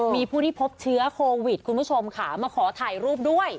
มีผู้ที่พบเชื้อโควิดคุณผู้ชมค่ะมาขอถ่ายรูปด้วย